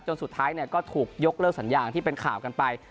สุดท้ายก็ถูกยกเลิกสัญญาที่เป็นข่าวกันไป